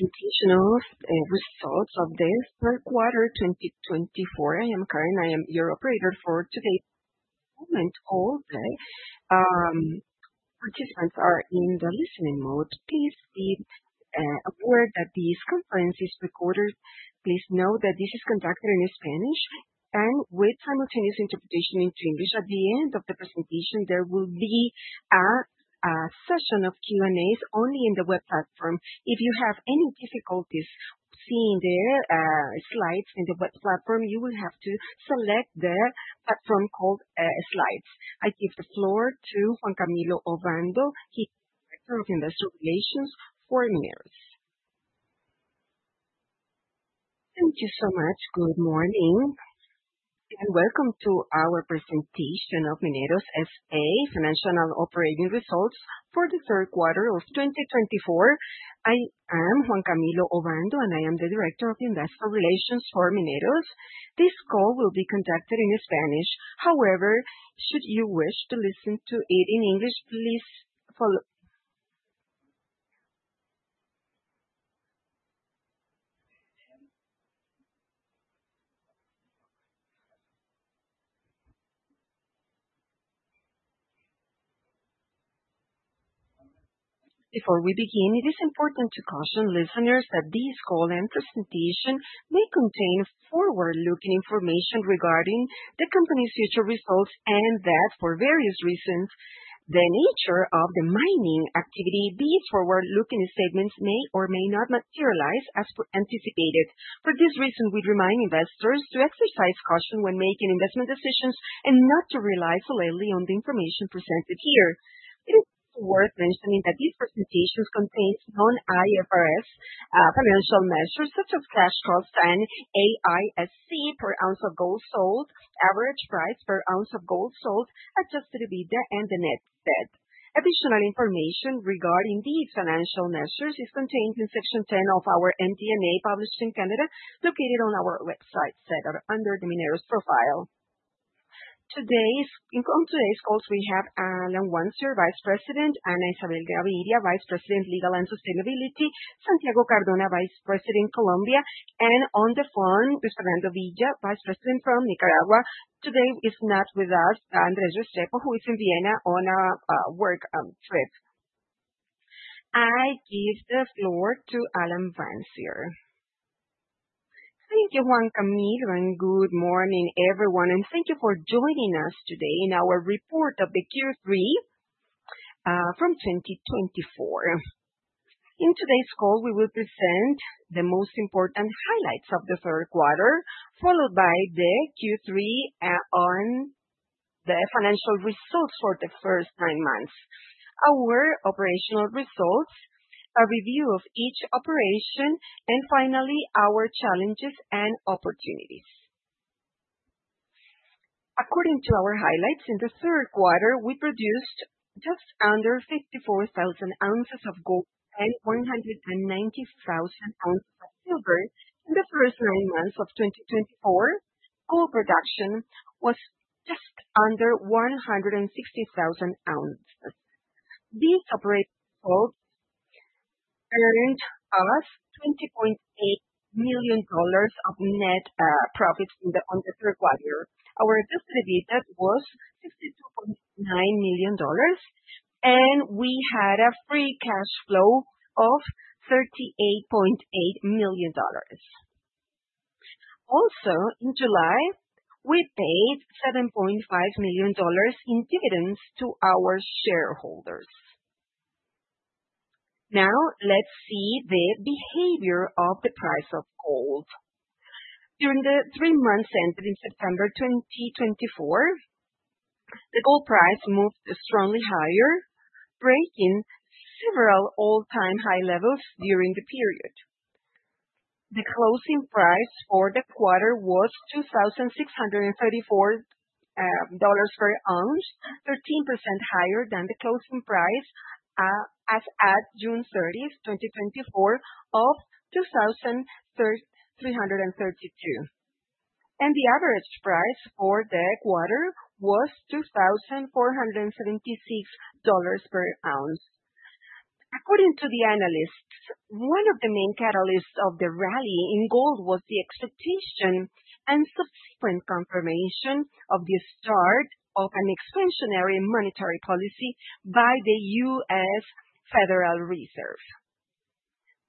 Earnings results of this third quarter 2024. I am Karen. I am your operator for today. Participants are in the listening mode. Please be aware that this conference is recorded. Please note that this is conducted in Spanish and with simultaneous interpretation into English. At the end of the presentation, there will be a session of Q&As only in the web platform. If you have any difficulties seeing the slides in the web platform, you will have to select the platform called Slides. I give the floor to Juan Camilo Obando. He is the Director of Investor Relations for Mineros. Thank you so much. Good morning and welcome to our presentation of Mineros S.A. Financial Operating Results for the third quarter of 2024. I am Juan Camilo Obando and I am the Director of Investor Relations for Mineros. This call will be conducted in Spanish. However, should you wish to listen to it in English, please follow. Before we begin, it is important to caution listeners that this call and presentation may contain forward-looking information regarding the company's future results and that, for various reasons, the nature of the mining activity, these forward-looking statements may or may not materialize as anticipated. For this reason, we'd remind investors to exercise caution when making investment decisions and not to rely solely on the information presented here. It is worth mentioning that these presentations contain non-IFRS financial measures such as cash cost and AISC, per ounce of gold sold, average price per ounce of gold sold, adjusted EBITDA, and the net debt. Additional information regarding these financial measures is contained in Section 10 of our MD&A published in Canada, located on our website under the Mineros profile. Today's call, we have Alan Wancier, Vice President; Ana Isabel Gaviria, Vice President, Legal and Sustainability; Santiago Cardona, Vice President, Colombia; and on the phone, Luis Fernando Villa, Vice President, from Nicaragua. Today is not with us, Andrés Restrepo, who is in Vienna on a work trip. I give the floor to Alan Wancier. Thank you, Juan Camilo, and good morning, everyone. Thank you for joining us today in our report of the Q3 from 2024. In today's call, we will present the most important highlights of the third quarter, followed by the Q3 on the financial results for the first nine months, our operational results, a review of each operation, and finally, our challenges and opportunities. According to our highlights in the third quarter, we produced just under 54,000 ounces of gold and 190,000 ounces of silver in the first nine months of 2024. Our production was just under 160,000 ounces. These operating results earned us $20.8 million of net profits in the third quarter. Our Adjusted EBITDA was $62.9 million, and we had a Free Cash Flow of $38.8 million. Also, in July, we paid $7.5 million in dividends to our shareholders. Now, let's see the behavior of the price of gold. During the three months ended in September 2024, the gold price moved strongly higher, breaking several all-time high levels during the period. The closing price for the quarter was $2,634 per ounce, 13% higher than the closing price as at June 30, 2024, of $2,332, and the average price for the quarter was $2,476 per ounce. According to the analysts, one of the main catalysts of the rally in gold was the expectation and subsequent confirmation of the start of an expansionary monetary policy by the U.S. Federal Reserve. The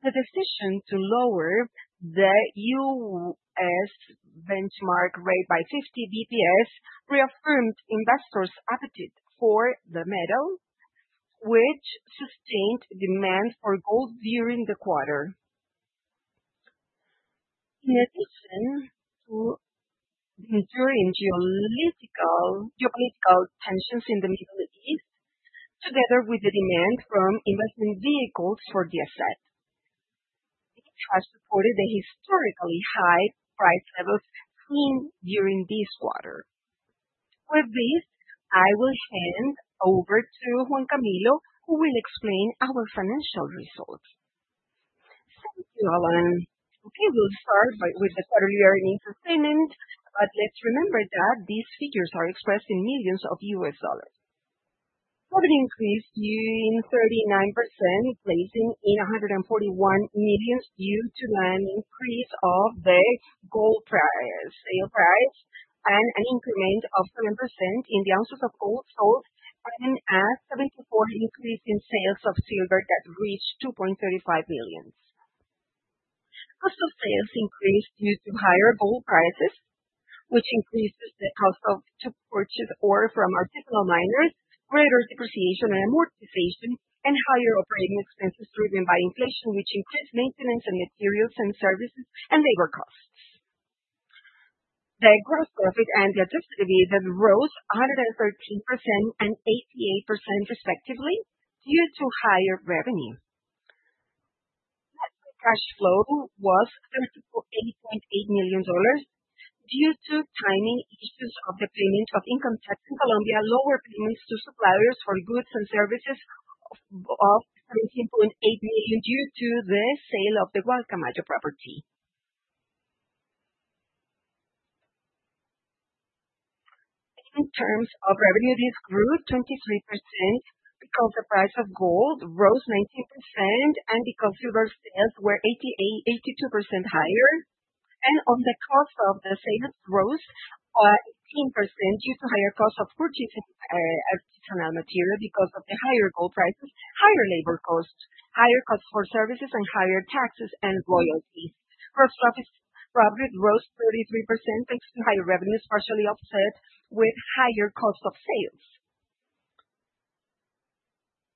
decision to lower the U.S. benchmark rate by 50 basis points reaffirmed investors' appetite for the metal, which sustained demand for gold during the quarter. In addition to the enduring geopolitical tensions in the Middle East, together with the demand from investment vehicles for the asset, it has supported the historically high price levels seen during this quarter. With this, I will hand over to Juan Camilo, who will explain our financial results. Thank you, Alan. Okay, we'll start with the quarterly earnings statement, but let's remember that these figures are expressed in millions of U.S. dollars. Revenue increased in 39%, placing in $141 million. Due to an increase of the gold sale price and an increment of 7% in the ounces of gold sold, and a 74% increase in sales of silver that reached $2.35 million. Cost of sales increased due to higher gold prices, which increased the cost of purchase ore from artisanal miners, greater depreciation and amortization, and higher operating expenses driven by inflation, which increased maintenance and materials and services and labor costs. The gross profit and the Adjusted EBITDA rose 113% and 88% respectively due to higher revenue. Net cash flow was $38.8 million due to timing issues of the payment of income tax in Colombia, lower payments to suppliers for goods and services of $17.8 million due to the sale of the Gualcamayo property. In terms of revenue, this grew 23% because the price of gold rose 19% and because silver sales were 82% higher. On the cost of the sales, it rose 18% due to higher cost of purchasing artisanal material because of the higher gold prices, higher labor costs, higher cost for services, and higher taxes and royalties. Gross profit rose 33% thanks to higher revenues, partially offset with higher cost of sales.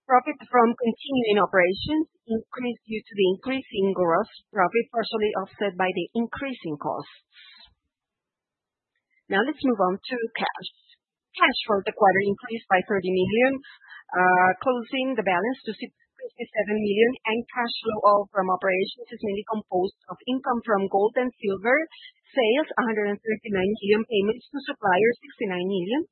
Profit from continuing operations increased due to the increase in gross profit, partially offset by the increasing cost. Now let's move on to cash. Cash for the quarter increased by $30 million, closing the balance to $67 million, and cash flow from operations is mainly composed of income from gold and silver sales, $139 million payments to suppliers, $69 million,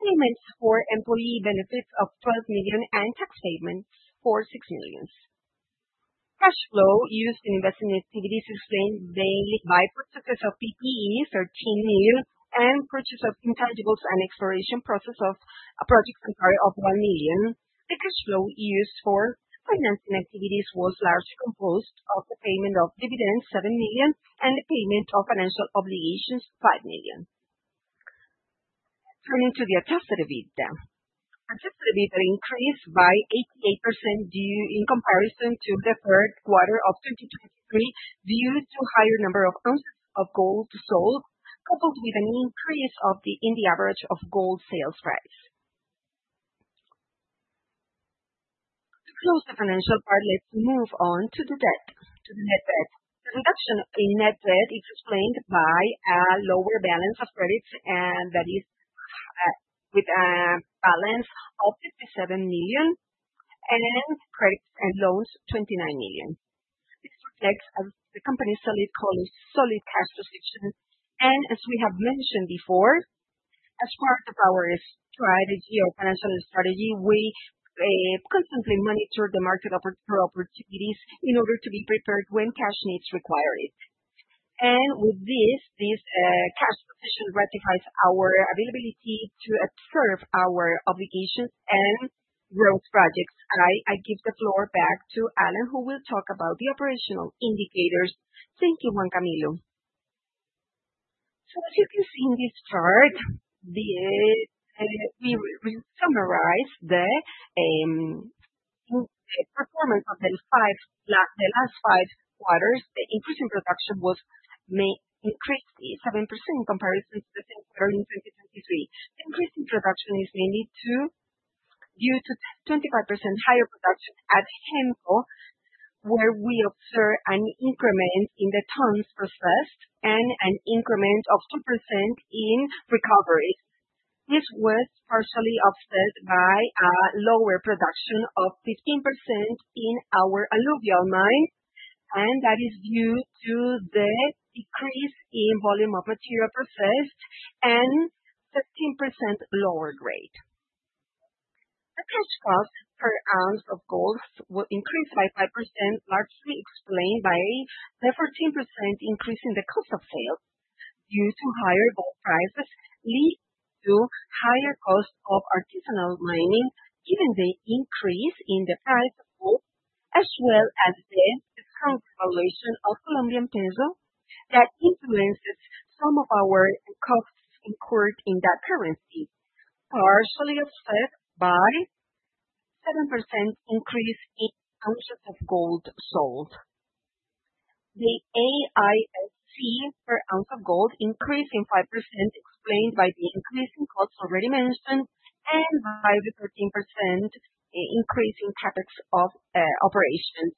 payments for employee benefits of $12 million, and tax payments for $6 million. Cash flow used in investing activities explained mainly by purchases of PPE, $13 million, and purchase of intangibles and exploration process of projects in part of $1 million. The cash flow used for financing activities was largely composed of the payment of dividends, $7 million, and the payment of financial obligations, $5 million. Turning to the adjusted EBITDA. Adjusted EBITDA increased by 88% in comparison to the third quarter of 2023 due to a higher number of ounces of gold sold, coupled with an increase in the average of gold sales price. To close the financial part, let's move on to the debt, to the net debt. The reduction in net debt is explained by a lower balance of credits that is with a balance of $57 million and credits and loans, $29 million. This reflects the company's solid cash position. As we have mentioned before, as part of our strategy or financial strategy, we constantly monitor the market for opportunities in order to be prepared when cash needs require it. With this, this cash position ratifies our availability to serve our obligations and growth projects. I give the floor back to Alan, who will talk about the operational indicators. Thank you, Juan Camilo. As you can see in this chart, we summarize the performance of the last five quarters. The increase in production was increased by 7% in comparison to the same quarter in 2023. The increase in production is mainly due to 25% higher production at Hemco, where we observed an increment in the tons processed and an increment of 2% in recovery. This was partially offset by a lower production of 15% in our Alluvial mine, and that is due to the decrease in volume of material processed and 15% lower grade. The cash cost per ounce of gold increased by 5%, largely explained by the 14% increase in the cost of sales due to higher gold prices, leading to higher cost of artisanal mining, given the increase in the price of gold, as well as the devaluation of Colombian peso that influences some of our costs incurred in that currency, partially offset by a 7% increase in ounces of gold sold. The AISC per ounce of gold increased by 5%, explained by the increase in costs already mentioned and by the 13% increase in capex of operations.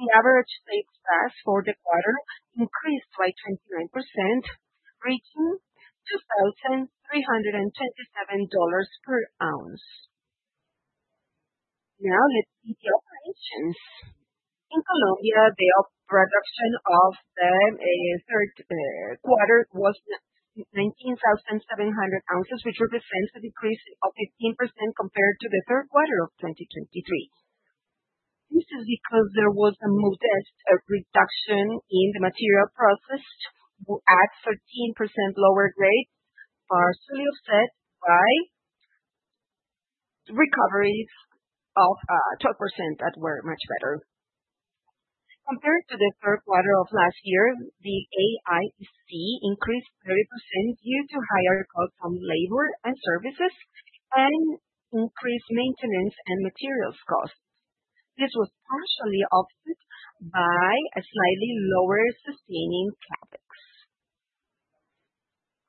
The average sales price for the quarter increased by 29%, reaching $2,327 per ounce. Now let's see the operations. In Colombia, the production of the third quarter was 19,700 ounces, which represents a decrease of 15% compared to the third quarter of 2023. This is because there was a modest reduction in the material processed at 13% lower grade, partially offset by recoveries of 12% that were much better. Compared to the third quarter of last year, the AISC increased 30% due to higher costs on labor and services and increased maintenance and materials costs. This was partially offset by a slightly lower sustaining capex.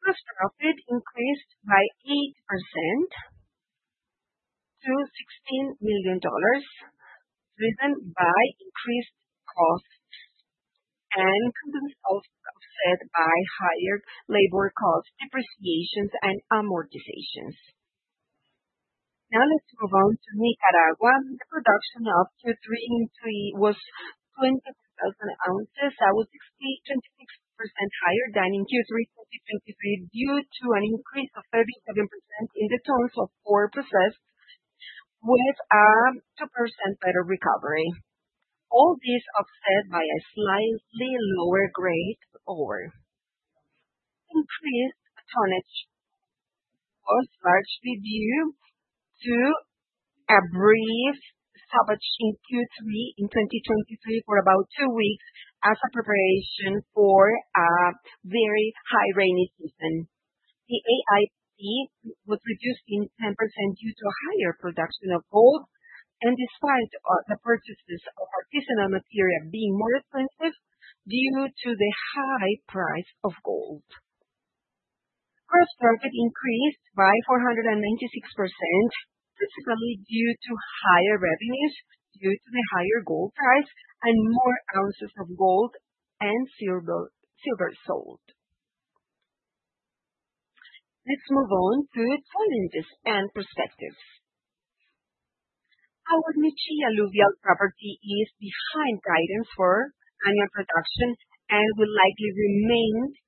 Gross profit increased by 8% to $16 million, driven by higher gold prices, partially offset by higher labor costs, depreciations, and amortizations. Now let's move on to Nicaragua. The production of Q3 was 24,000 ounces, that was 26% higher than in Q3 2023 due to an increase of 37% in the tons of ore processed, with a 2% better recovery. All this offset by a slightly lower grade ore. Increased tonnage was largely due to a brief stoppage in Q3 in 2023 for about two weeks as a preparation for a very high rainy season. The AISC was reduced by 10% due to a higher production of gold, and despite the purchases of artisanal material being more expensive due to the high price of gold. Gross profit increased by 496%, principally due to higher revenues due to the higher gold price and more ounces of gold and silver sold. Let's move on to tonnages and perspectives. Our Nechí Alluvial property is behind guidance for annual production and will likely remain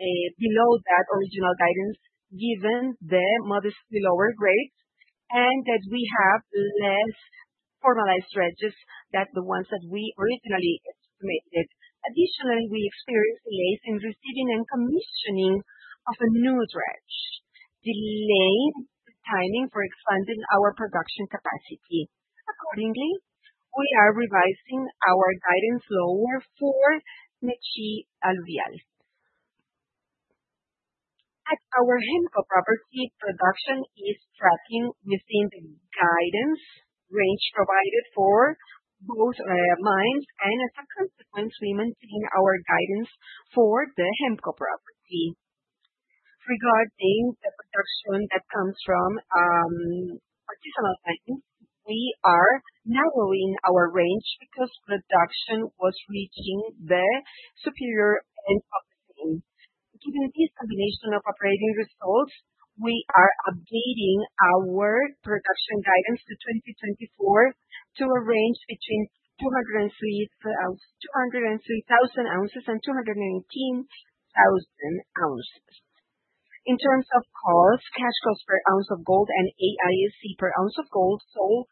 below that original guidance given the modestly lower grade and that we have less formalized dredges than the ones that we originally estimated. Additionally, we experienced delays in receiving and commissioning of a new dredge, delaying the timing for expanding our production capacity. Accordingly, we are revising our guidance lower for Nechí Alluvial. At our Hemco property, production is tracking within the guidance range provided for both mines, and as a consequence, we maintain our guidance for the Hemco property. Regarding the production that comes from artisanal mines, we are narrowing our range because production was reaching the superior end of the same. Given this combination of operating results, we are updating our production guidance to 2024 to a range between 203,000 ounces and 219,000 ounces. In terms of cost, cash cost per ounce of gold and AISC per ounce of gold sold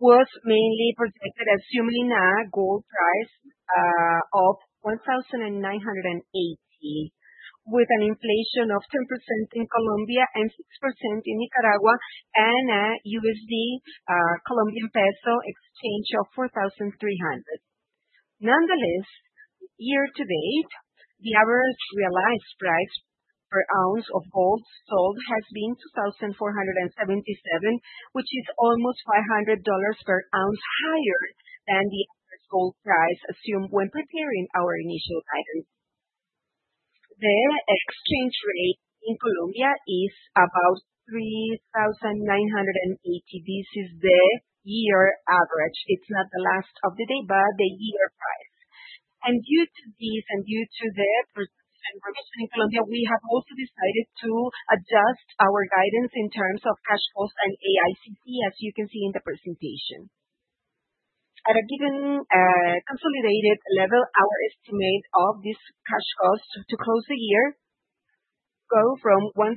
was mainly projected as similar gold price of $1,980, with an inflation of 10% in Colombia and 6% in Nicaragua and a USD-Colombian peso exchange of 4,300. Nonetheless, year to date, the average realized price per ounce of gold sold has been $2,477, which is almost $500 per ounce higher than the average gold price assumed when preparing our initial guidance. The exchange rate in Colombia is about COP 3,980. This is the year average. It's not the last of the day, but the year price. And due to this and due to the production and alluvial in Colombia, we have also decided to adjust our guidance in terms of cash cost and AISC, as you can see in the presentation. At a given consolidated level, our estimate of this cash cost to close the year goes from $1,180-$1,430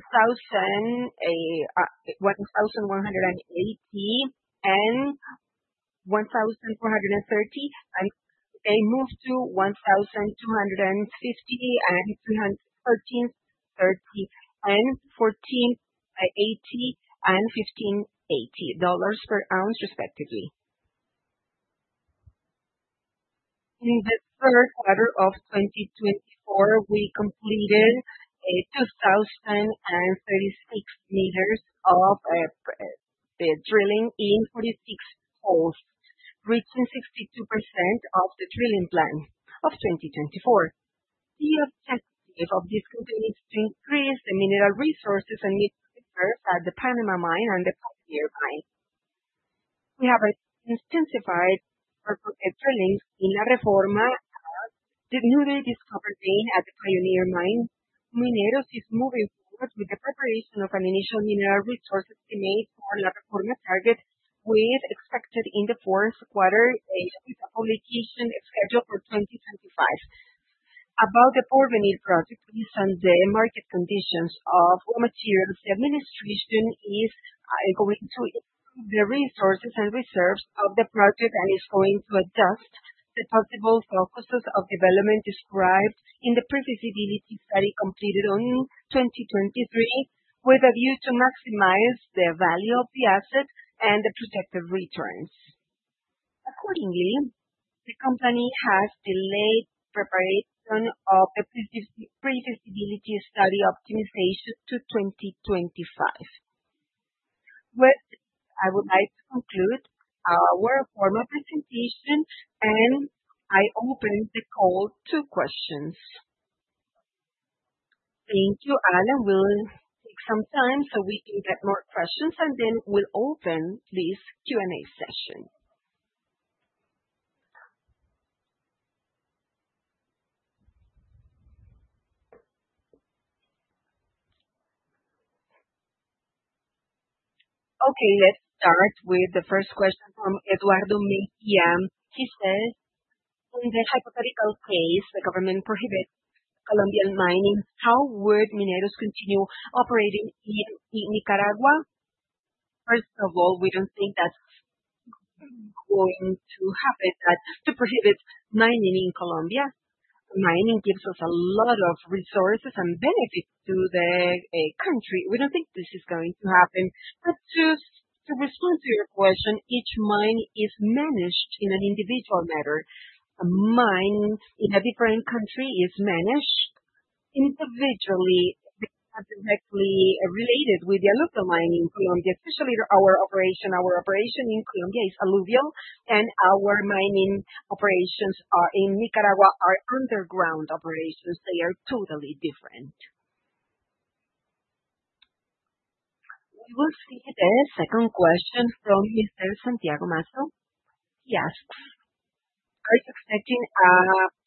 and moves to $1,250-$1,330 and $1,480-$1,580 dollars per ounce, respectively. In the third quarter of 2024, we completed 2,036 meters of drilling in 46 holes, reaching 62% of the drilling plan of 2024. The objective of this campaign is to increase the mineral resources and mineral reserves at the Panama Mine and the Pioneer Mine. We have intensified our drilling in La Reforma. The newly discovered vein at the Pioneer Mine, Mineros is moving forward with the preparation of an initial mineral resource estimate for La Reforma target, with expected in the fourth quarter, with publication scheduled for 2025. About the Porvenir project, based on the market conditions of raw materials, the administration is going to improve the resources and reserves of the project and is going to adjust the possible costs of development described in the pre-feasibility study completed in 2023, with a view to maximize the value of the asset and the projected returns. Accordingly, the company has delayed preparation of the pre-feasibility study optimization to 2025. With this, I would like to conclude our formal presentation, and I open the call to questions. Thank you, Alan. We'll take some time so we can get more questions, and then we'll open this Q&A session. Okay, let's start with the first question from Eduardo M. He says, in the hypothetical case, the government prohibits Colombian mining, how would Mineros continue operating in Nicaragua? First of all, we don't think that's going to happen, that to prohibit mining in Colombia. Mining gives us a lot of resources and benefits to the country. We don't think this is going to happen. But to respond to your question, each mine is managed in an individual manner. A mine in a different country is managed individually. They are directly related with the alluvial mine in Colombia, especially our operation. Our operation in Colombia is alluvial, and our mining operations in Nicaragua are underground operations. They are totally different. We will see the second question from Mr. Santiago Mazo. He asks, are you expecting a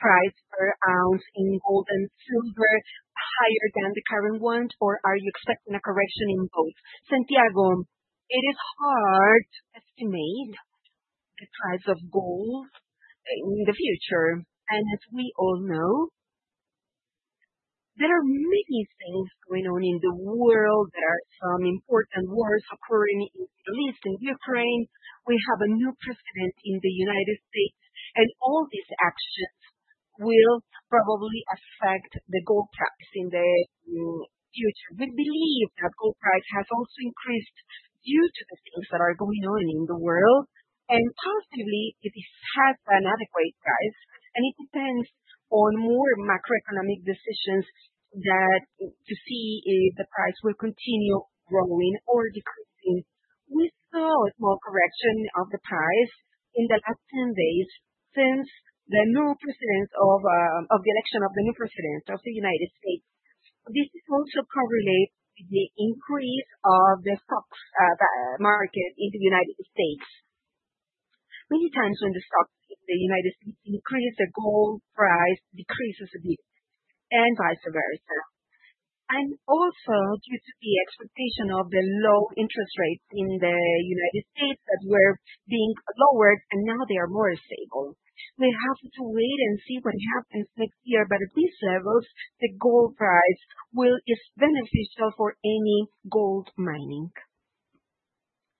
price per ounce in gold and silver higher than the current one, or are you expecting a correction in both? Santiago, it is hard to estimate the price of gold in the future. And as we all know, there are many things going on in the world. There are some important wars occurring in the Middle East, in Ukraine. We have a new president in the United States, and all these actions will probably affect the gold price in the future. We believe that gold price has also increased due to the things that are going on in the world, and possibly it has an adequate price. And it depends on more macroeconomic decisions to see if the price will continue growing or decreasing. We saw a small correction of the price in the last 10 days since the election of the new president of the United States. This is also correlated with the increase of the stock market in the United States. Many times when the stocks in the United States increase, the gold price decreases a bit, and vice versa. Also, due to the expectation of low interest rates in the United States that were being lowered, and now they are more stable. We have to wait and see what happens next year, but at these levels, the gold price will be beneficial for any gold mining.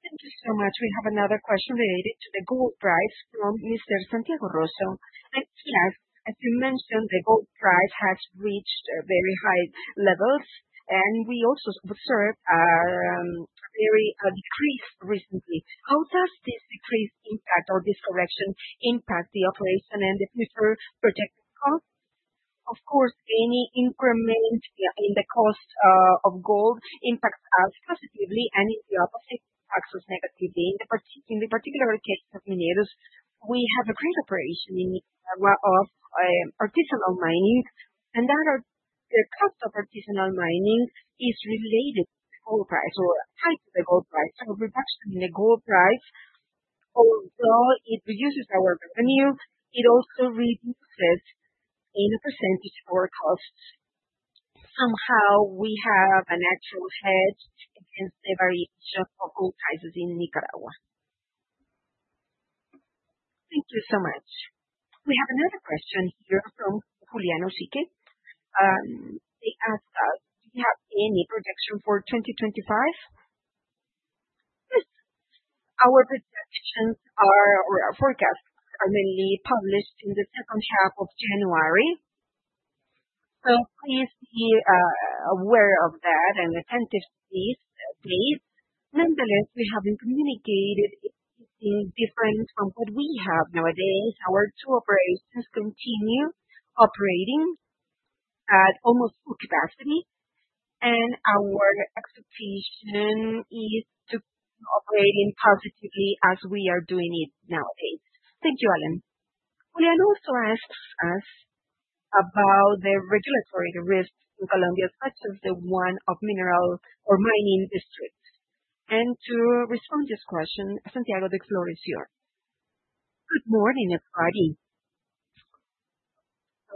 Thank you so much. We have another question related to the gold price from Mr. Santiago Rozo. He asked, as you mentioned, the gold price has reached very high levels, and we also observed a very decrease recently. How does this decrease impact or this correction impact the operation and the preferred projected cost? Of course, any increment in the cost of gold impacts us positively and, in the opposite, impacts us negatively. In the particular case of Mineros, we have a great operation in Nicaragua of artisanal mining, and the cost of artisanal mining is related to the gold price or tied to the gold price. So a reduction in the gold price, although it reduces our revenue, it also reduces in a percentage of our costs. Somehow, we have an actual hedge against the variation of gold prices in Nicaragua. Thank you so much. We have another question here from Juliano Siqueira. They ask us, do you have any projection for 2025? Our projections or forecasts are mainly published in the second half of January. So please be aware of that and attentive to these dates. Nonetheless, we have been communicated different from what we have nowadays. Our two operations continue operating at almost full capacity, and our expectation is to operate positively as we are doing it nowadays. Thank you, Alan. Juliano also asks us about the regulatory risks in Colombia, such as the one of mineral or mining districts. To respond to this question, Santiago, the floor is yours. Good morning, everybody.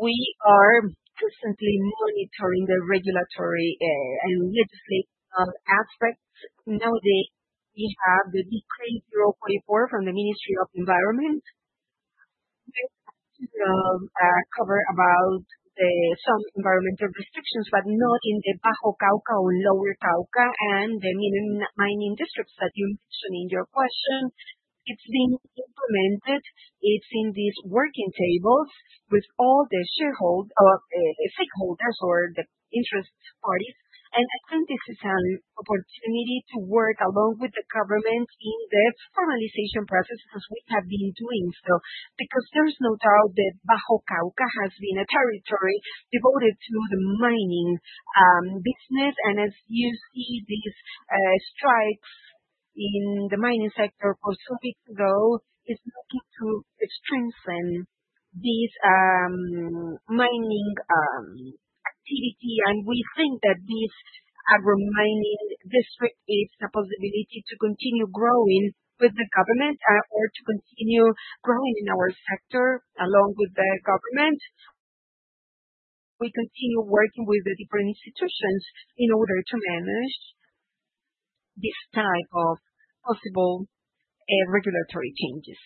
We are constantly monitoring the regulatory and legislative aspects. Nowadays, we have the Decree 044 from the Ministry of Environment. We have to cover about some environmental restrictions, but not in the Bajo Cauca or Lower Cauca and the main mining districts that you mentioned in your question. It's being implemented. It's in these working tables with all the stakeholders or the interested parties. I think this is an opportunity to work along with the government in the formalization process as we have been doing so. Because there is no doubt that Bajo Cauca has been a territory devoted to the mining business. As you see these strikes in the mining sector for some weeks ago, it's looking to strengthen this mining activity. We think that this agromining district is a possibility to continue growing with the government or to continue growing in our sector along with the government. We continue working with the different institutions in order to manage this type of possible regulatory changes.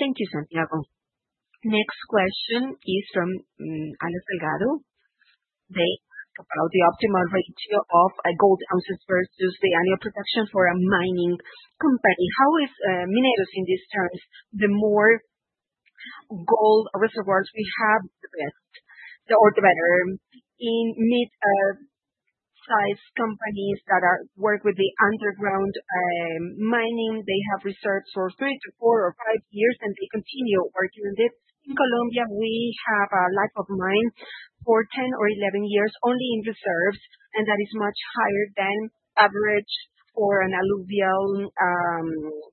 Thank you, Santiago. Next question is from Alice Delgado. They ask about the optimal ratio of gold ounces versus the annual production for a mining company. How is Mineros in these terms? The more gold reserves we have, the better. In mid-size companies that work with the underground mining, they have reserves for three to four or five years, and they continue working on this. In Colombia, we have a life of mine for 10 or 11 years only in reserves, and that is much higher than average for an alluvial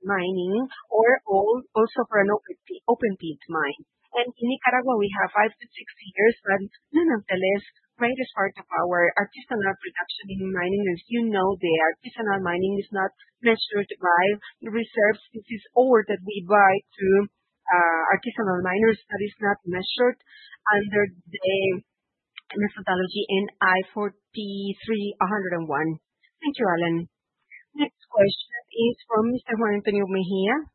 mining or also for an open-pit mine. In Nicaragua, we have five to six years, but nonetheless, the greatest part of our artisanal production in mining, as you know, the artisanal mining is not measured by reserves. This is ore that we buy to artisanal miners that is not measured under the methodology NI 43-101. Thank you, Alan. Next question is from Mr. Juan Antonio Mejía.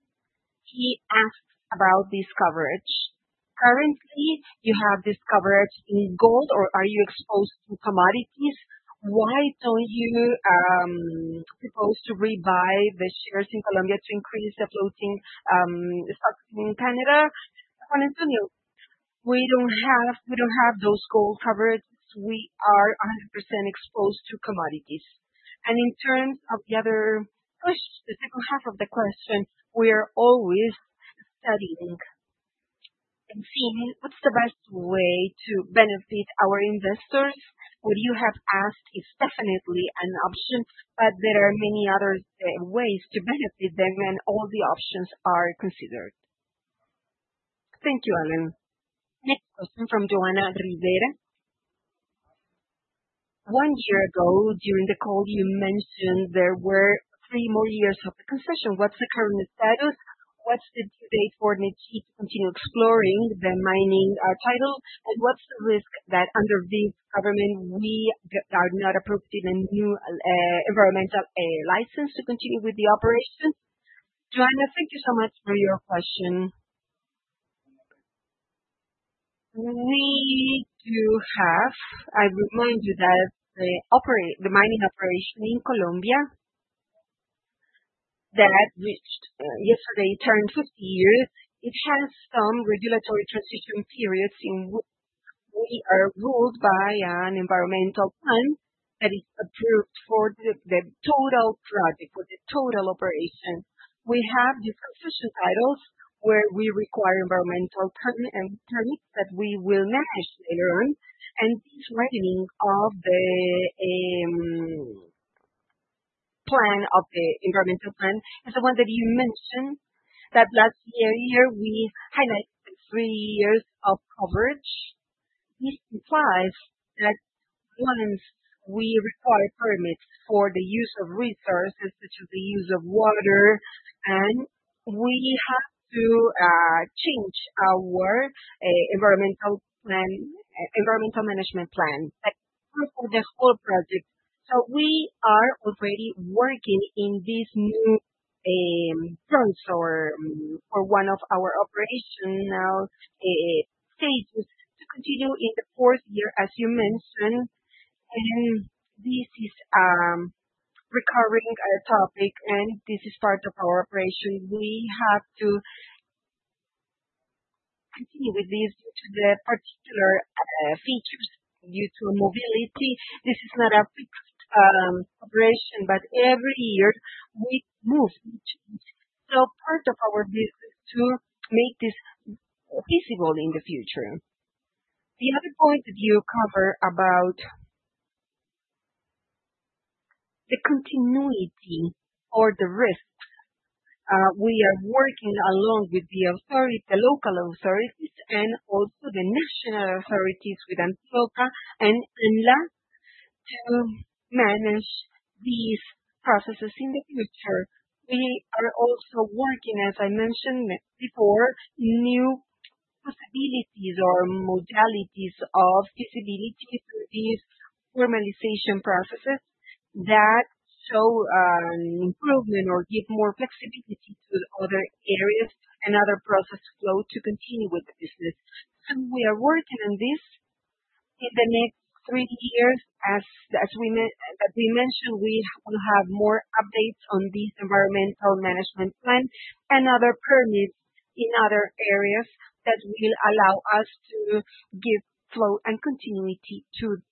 He asks about this coverage. Currently, you have this coverage in gold, or are you exposed to commodities? Why don't you propose to rebuy the shares in Colombia to increase the floating stocks in Canada? Juan Antonio, we don't have those gold coverages. We are 100% exposed to commodities. And in terms of the other question, the second half of the question, we are always studying and seeing what's the best way to benefit our investors. What you have asked is definitely an option, but there are many other ways to benefit them, and all the options are considered. Thank you, Alan. Next question from Joanna Rivera. One year ago, during the call, you mentioned there were three more years of the concession. What's the current status? What's the due date for Nechí to continue exploring the mining title? And what's the risk that under this government, we are not approved in a new environmental license to continue with the operation? Joanna, thank you so much for your question. We do have. I remind you that the mining operation in Colombia that reached yesterday turned 50 years. It has some regulatory transition periods in which we are ruled by an environmental plan that is approved for the total project, for the total operation. We have these concession titles where we require environmental permits that we will manage later on. And this reading of the plan of the environmental plan is the one that you mentioned that last year, we highlighted the three years of coverage. This implies that once we require permits for the use of resources, such as the use of water, and we have to change our environmental management plan that covers the whole project. So we are already working in this new terms for one of our operational stages to continue in the fourth year, as you mentioned. This is a recurring topic, and this is part of our operation. We have to continue with this due to the particular features, due to mobility. This is not a fixed operation, but every year we move. So part of our business is to make this feasible in the future. The other point that you cover about the continuity or the risks, we are working along with the local authorities and also the national authorities with Antioquia and ANLA to manage these processes in the future. We are also working, as I mentioned before, new possibilities or modalities of feasibility through these formalization processes that show improvement or give more flexibility to other areas and other process flow to continue with the business. We are working on this in the next three years. As we mentioned, we will have more updates on this environmental management plan and other permits in other areas that will allow us to give flow and continuity to this.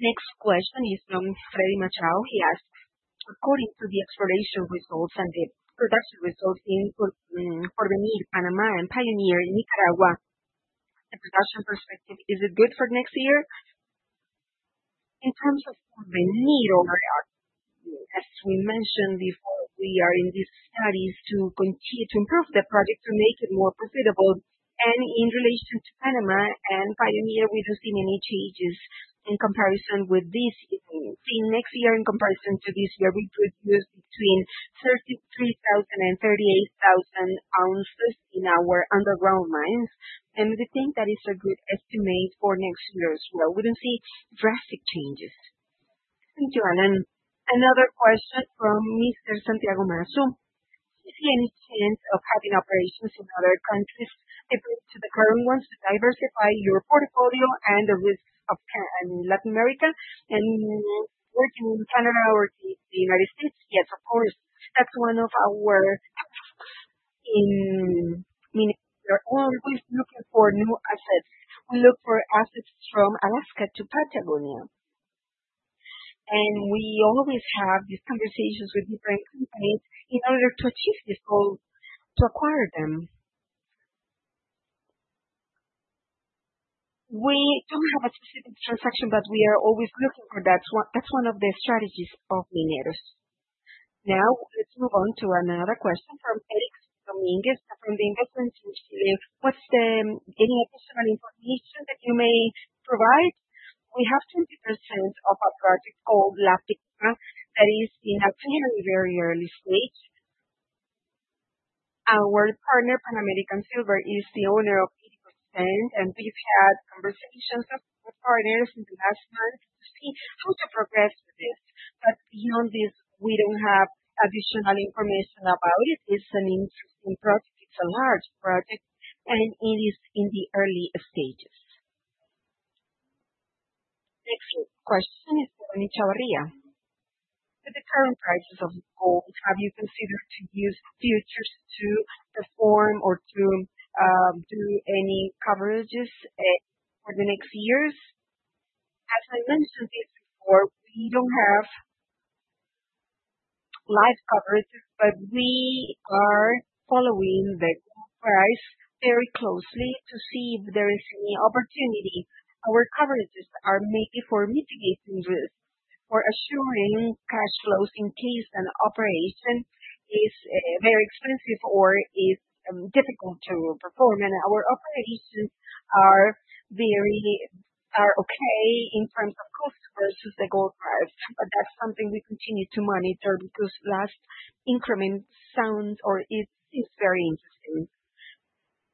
Next question is from Freddy Machado. He asks, according to the exploration results and the production results for Porvenir, Panama, and Pioneer in Nicaragua, the production perspective, is it good for next year? In terms of Porvenir, as we mentioned before, we are in these studies to continue to improve the project to make it more profitable. And in relation to Panama and Pioneer, we don't see many changes in comparison with this year. See, next year in comparison to this year, we produce between 33,000 and 38,000 ounces in our underground mines. And we think that is a good estimate for next year as well. We don't see drastic changes. Thank you, Alan. Another question from Mr. Santiago Mazo. Do you see any chance of having operations in other countries equal to the current ones to diversify your portfolio and the risks of Latin America and working in Canada or the United States? Yes, of course. That's one of our tasks in Mineros. We're always looking for new assets. We look for assets from Alaska to Patagonia. We always have these conversations with different companies in order to achieve this goal, to acquire them. We don't have a specific transaction, but we are always looking for that. That's one of the strategies of Mineros. Now, let's move on to another question from Erick Domínguez from the investment team. What's any additional information that you may provide? We have 20% of a project called La Pepa that is in a very, very early stage. Our partner, Pan American Silver, is the owner of 80%, and we've had conversations with partners in the last month to see how to progress with this. But beyond this, we don't have additional information about it. It's an interesting project. It's a large project, and it is in the early stages. Next question is from Echavarría. With the current prices of gold, have you considered to use futures to perform or to do any coverages for the next years? As I mentioned this before, we don't have live coverages, but we are following the gold price very closely to see if there is any opportunity. Our coverages are maybe for mitigating risks, for assuring cash flows in case an operation is very expensive or is difficult to perform. And our operations are okay in terms of cost versus the gold price. But that's something we continue to monitor because last increment sounds or it is very interesting.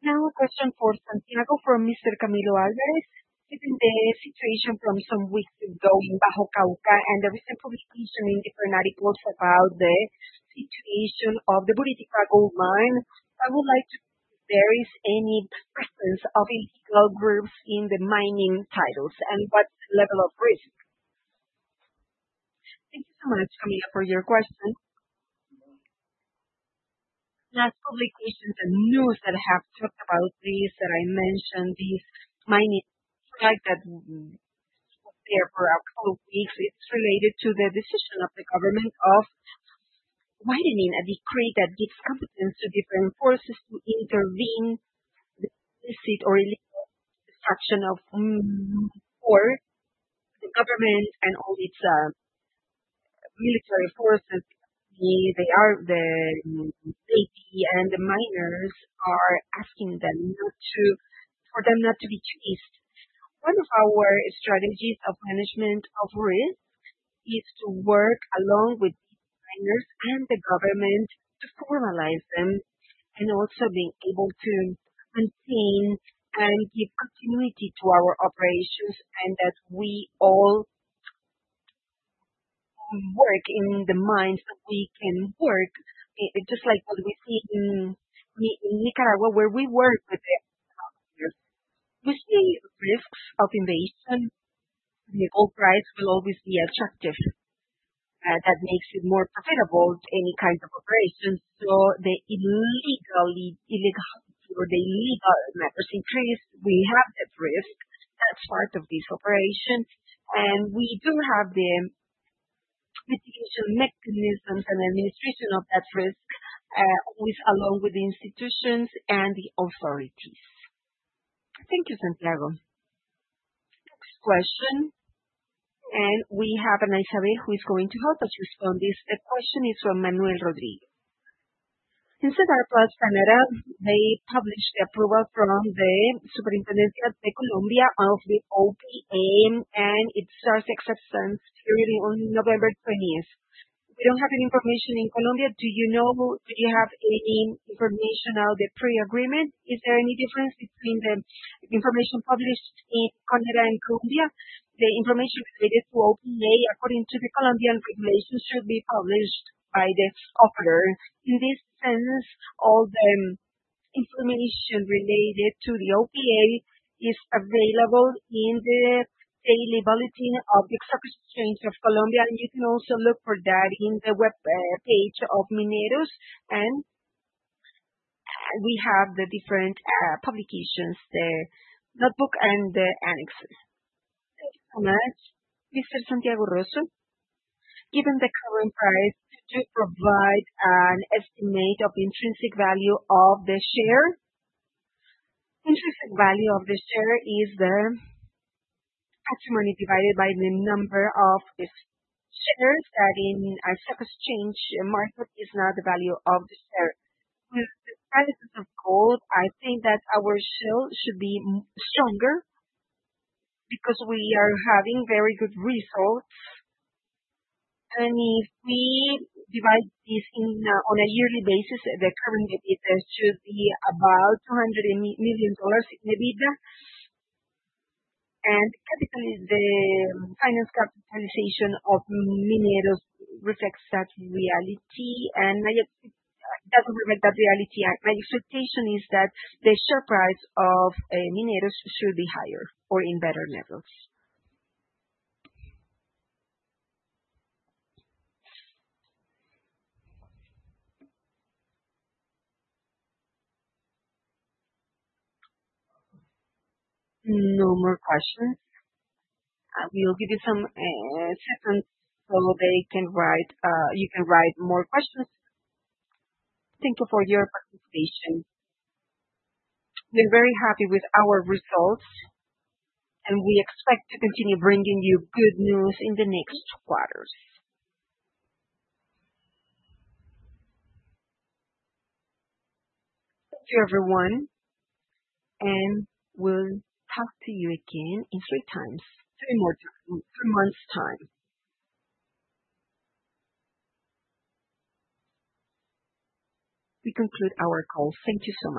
Now, a question for Santiago from Mr. Camilo Álvarez. Given the situation from some weeks ago in Bajo Cauca and the recent publication in different articles about the situation of the Buriticá mine, I would like to know if there is any presence of illegal groups in the mining titles and what's the level of risk? Thank you so much, Camilo, for your question. Last publications and news that have talked about this that I mentioned, this mining strike that was there for a couple of weeks, it's related to the decision of the government of widening a decree that gives competence to different forces to intervene the illicit or illegal extraction of ore for the government and all its military forces. The Navy and the miners are asking them for them not to be chased. One of our strategies of management of risk is to work along with these miners and the government to formalize them and also being able to maintain and give continuity to our operations and that we all work in the mines that we can work, just like what we see in Nicaragua where we work with the miners. We see risks of invasion. The gold price will always be attractive. That makes it more profitable. Any kind of operations. So the illegality or the illegal numbers increase, we have that risk. That's part of this operation. And we do have the mitigation mechanisms and administration of that risk always along with the institutions and the authorities. Thank you, Santiago. Next question. And we have Ana Isabel who is going to help us respond. The question is from Manuel Rodrigo. In SEDAR+ Canada, they published the approval from the Superintendencia Financiera de Colombia of the OPA, and it starts acceptance period on November 20th. We don't have any information in Colombia. Do you have any information on the pre-agreement? Is there any difference between the information published in Canada and Colombia? The information related to OPA, according to the Colombian regulations, should be published by the operator. In this sense, all the information related to the OPA is available in the daily bulletin of the Bolsa de Valores de Colombia. And you can also look for that in the web page of Mineros. And we have the different publications, the notebook and the annexes. Thank you so much. Mr. Santiago Rozo, given the current price, could you provide an estimate of intrinsic value of the share? Intrinsic value of the share is the net assets divided by the number of shares. That in a stock exchange market is not the value of the share. With the prices of gold, I think that our share should be stronger because we are having very good results. If we divide this on a yearly basis, the current EBITDA should be about $200 million in EBITDA. The market capitalization of Mineros reflects that reality, and my expectation is that the share price of Mineros should be higher or in better levels. No more questions. We'll give you some seconds so you can write more questions. Thank you for your participation. We're very happy with our results, and we expect to continue bringing you good news in the next quarters. Thank you, everyone. We'll talk to you again in three months' time. We conclude our call. Thank you so much.